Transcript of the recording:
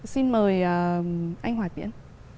xin mời anh hoài tiễn